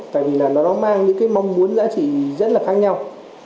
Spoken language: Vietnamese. tại vì là nó mang những cái mong muốn giá trị rất là khác nhau